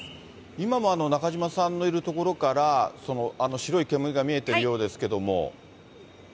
今も中島さんのいる所から、白い煙が見えているようですけれども。